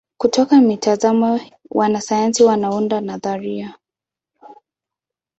Kutoka mitazamo wanasayansi wanaunda nadharia.